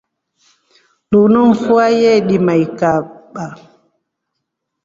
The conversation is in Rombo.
Lunu mfua yeidimekaba.